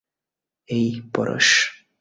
এই, পরশ!